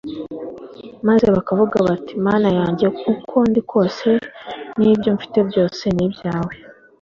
maze bakavuga bati : Mana yanjye uko ndi kose n'ibyo mfite byose ni ibyawe.